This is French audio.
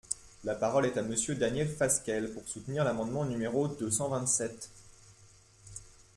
La parole est à Monsieur Daniel Fasquelle, pour soutenir l’amendement numéro deux cent vingt-sept.